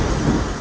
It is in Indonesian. aku akan menang